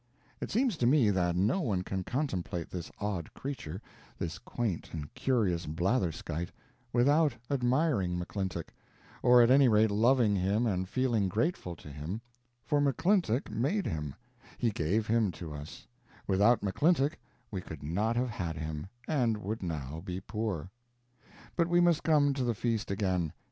It seems to me that no one can contemplate this odd creature, this quaint and curious blatherskite, without admiring McClintock, or, at any rate, loving him and feeling grateful to him; for McClintock made him, he gave him to us; without McClintock we could not have had him, and would now be poor. But we must come to the feast again.